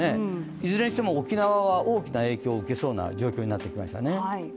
いずれにしても沖縄は大きな影響を受けそうな状況になってきましたね。